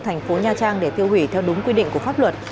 thành phố nha trang để tiêu hủy theo đúng quy định của pháp luật